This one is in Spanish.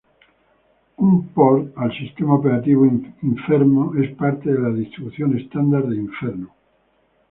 Un port al sistema operativo Inferno es parte de la distribución estándar de Inferno.